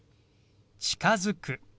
「近づく」。